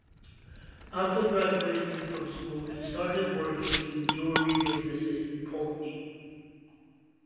After graduating from school he started working in jewelry businesses in Poultney.